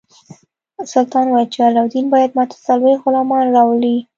سلطان وویل چې علاوالدین باید ماته څلوېښت غلامان راولي.